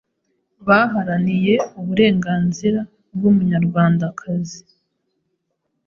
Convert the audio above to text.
baharaniye uburenganzira bw’Umunyarwandakazi.